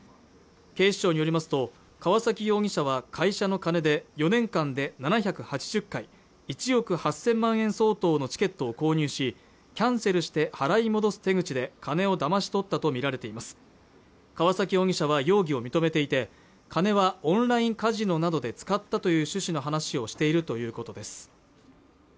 警視庁によりますと川崎容疑者は会社の金で４年間で７８０回１億８０００万円相当のチケットを購入しキャンセルして払い戻す手口で金をだまし取ったと見られています川崎容疑者は容疑を認めていて金はオンラインカジノなどで使ったという趣旨の話をしているということです